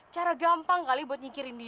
cara gampang kali buat nyikirin dia